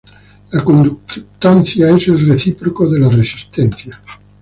La conductancia es el recíproco de la resistencia.